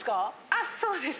あっそうです。